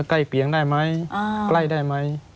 ใกล้เคียงได้ไหมใกล้ได้ไหม